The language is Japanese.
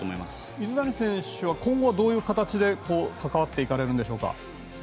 水谷選手は今後はどういう形で関わっていかれるんでしょうか。